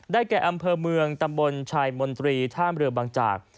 แก่อำเภอเมืองตำบลชายมนตรีท่ามเรือบางจาก